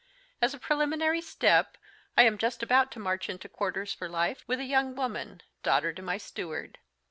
As a preliminary step, I am just about to march into quarters for life with a young woman, daughter to my steward.